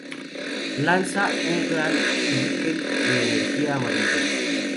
Lanza un gran shuriken de energía amarillo.